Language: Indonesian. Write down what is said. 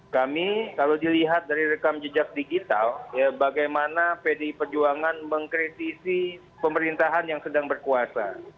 kami kalau dilihat dari rekam jejak digital bagaimana pdi perjuangan mengkritisi pemerintahan yang sedang berkuasa